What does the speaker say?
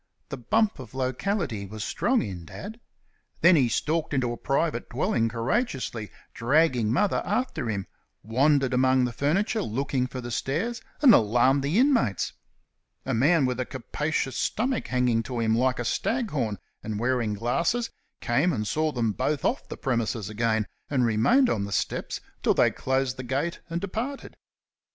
The bump of locality was strong in Dad. Then he stalked into a private dwelling courageously, dragging Mother after him, wandered among the furniture looking for the stairs, and alarmed the inmates. A man with a capacious stomach hanging to him like a staghorn, and wearing glasses, came and saw them both off the premises again, and remained on the steps till they closed the gate and departed.